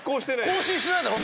更新してないだろ。